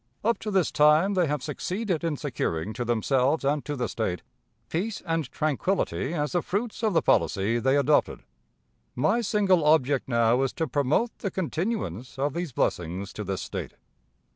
Up to this time they have succeeded in securing to themselves and to the State peace and tranquillity as the fruits of the policy they adopted. My single object now is to promote the continuance of these blessings to this State.